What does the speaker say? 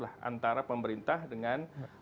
antara pemerintah dengan